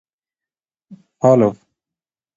Follow